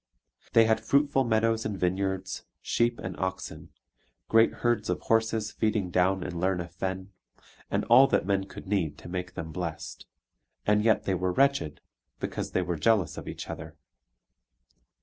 They had fruitful meadows and vineyards, sheep and oxen, great herds of horses feeding down in Lerna Fen, and all that men could need to make them blest: and yet they were wretched, because they were jealous of each other.